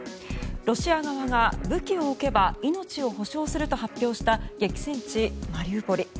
ロシア側が、武器を置けば命を保証すると発表した激戦地マリウポリ。